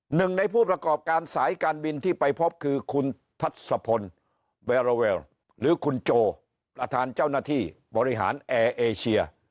หนึ่งในผู้ประกอบการสายการบินที่ไปพบคือคุณทัศพลเบราเวลหรือคุณโจประธานเจ้าหน้าที่บริหารแอร์เอเชีย